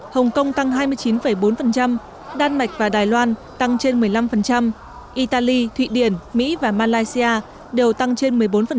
hồng kông tăng hai mươi chín bốn đan mạch và đài loan tăng trên một mươi năm italy thụy điển mỹ và malaysia đều tăng trên một mươi bốn